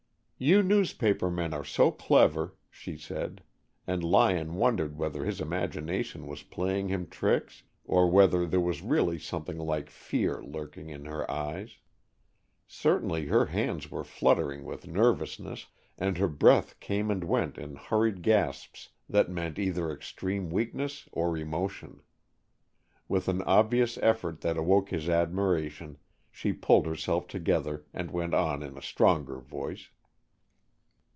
"You newspaper men are so clever," she said, and Lyon wondered whether his imagination was playing him tricks or whether there really was something like fear lurking in her eyes. Certainly her hands were fluttering with nervousness, and her breath came and went in hurried gasps that meant either extreme weakness or emotion. With an obvious effort that awoke his admiration, she pulled herself together and went on in a stronger voice.